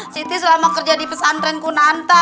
siti selama kerja di pesantren kunanta